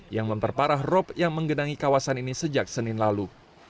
yang memperparah rop yang menggenangi kawasan ini sejak senin lalu